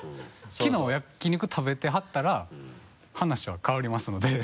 きのう焼き肉食べてはったら話は変わりますので。